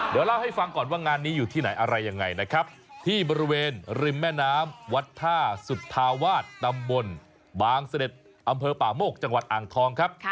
เดี๋ยวเล่าให้ฟังก่อนว่างานนี้อยู่ที่ไหนอะไรยังไงนะครับที่บริเวณริมแม่น้ำวัดท่าสุธาวาสตำบลบางเสด็จอำเภอป่าโมกจังหวัดอ่างทองครับ